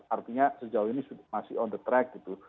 artinya sejauh ini masih on the track gitu